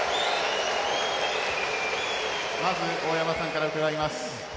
まず、大山さんから伺います。